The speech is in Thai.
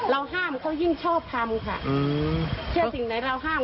ห้ามเขายิ่งชอบทำค่ะเชื่อสิ่งไหนเราห้าม